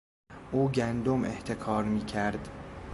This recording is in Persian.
او گندم احتکار میکرد.